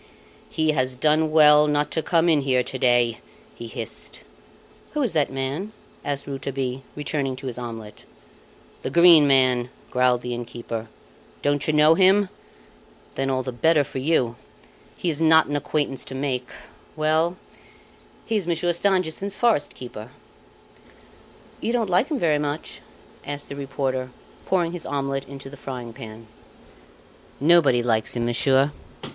"He has done well not to come in here to day!" he hissed. "Who is that man?" asked Rouletabille, returning to his omelette. "The Green Man," growled the innkeeper. "Don't you know him? Then all the better for you. He is not an acquaintance to make. Well, he is Monsieur Stangerson's forest keeper." "You don't appear to like him very much?" asked the reporter, pouring his omelette into the frying pan. "Nobody likes him, monsieur.